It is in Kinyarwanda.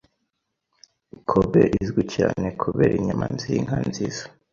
Kobe izwi cyane kubera inyama zinka nziza.